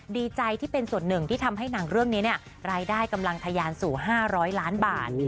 ดีใจที่เป็นส่วนหนึ่งที่ทำให้หนังเรื่องนี้รายได้กำลังทะยานสู่๕๐๐ล้านบาท